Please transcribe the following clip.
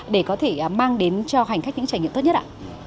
để có thể mang đến cho hành khách những trải nghiệm tốt nhất ạ